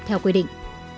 theo quy định